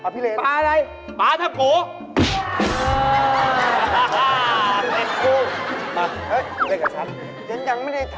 ปลาว่ายน้ำไม่ได้